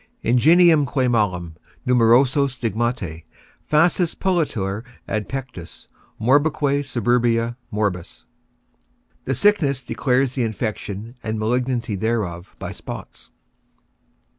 INGENIUMQUE MALUM, NUMEROSO STIGMATE, FASSUS PELLITUR AD PECTUS, MORBIQUE SUBURBIA, MORBUS. _The sickness declares the infection and malignity thereof by spots.